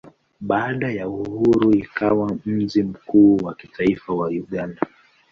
Baada ya uhuru ikawa mji mkuu wa kitaifa wa Uganda.